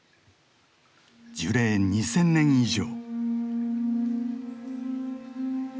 樹齢２，０００年以上。